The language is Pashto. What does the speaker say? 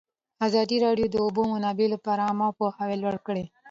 ازادي راډیو د د اوبو منابع لپاره عامه پوهاوي لوړ کړی.